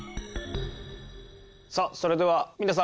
さあそれではみなさん